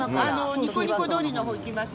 ニコニコ通りの方行きます？